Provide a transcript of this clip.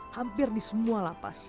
hampir di semua lapas